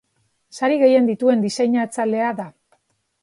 Sari gehien dituen diseinatzailea da.